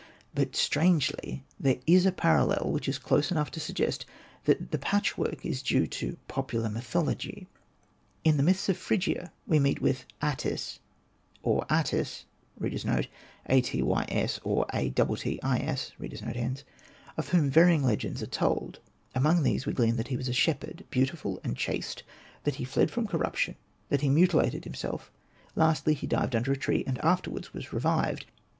But strangely there is a parallel which is close enough to suggest that the patchwork is due to popular myth ology. In the myths of Phrygia we meet with Atys or Attis, of whom varying legends are told. Among these we glean that he was a shepherd, beautiful and chaste ; that he fled from corruption ; that he mutilated himself ; lastly he died under a tree, and afterwards was revived.